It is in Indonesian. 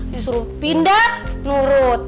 disuruh pindah nurut